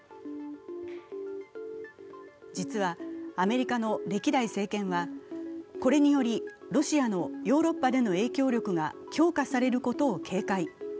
実はアメリカの歴代政権はこれによりロシアのヨーロッパでの影響力が強化されることを警戒。